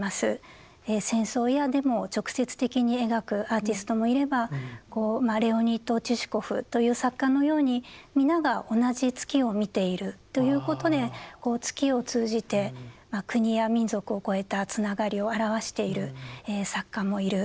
戦争やデモを直接的に描くアーティストもいればレオニート・チシコフという作家のように皆が同じ月を見ているということで月を通じて国や民族を超えたつながりを表している作家もいる。